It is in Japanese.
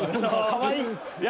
かわいいね。